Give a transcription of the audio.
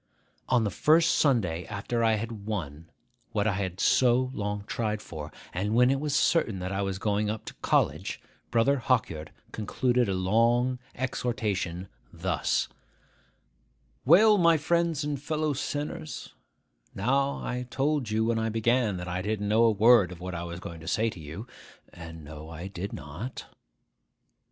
On the first Sunday after I had won what I had so long tried for, and when it was certain that I was going up to college, Brother Hawkyard concluded a long exhortation thus: 'Well, my friends and fellow sinners, now I told you when I began, that I didn't know a word of what I was going to say to you (and no, I did not!)